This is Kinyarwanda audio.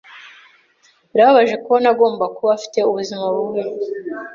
Birababaje kubona agomba kuba afite ubuzima bubi.